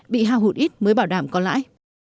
bị hao hụt ít mới bảo đảm có lãi